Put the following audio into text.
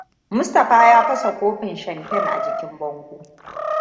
Mustapha ya fasa kofin Champagne a jikin bango.